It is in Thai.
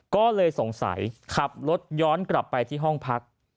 ก็เลยสงสัยขับรถย้อนกลับไปที่ห้องพัก